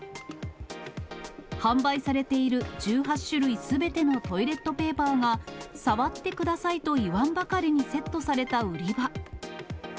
販売されている１８種類すべてのトイレットペーパーが、触ってくださいと言わんばかりにセットされた売り場。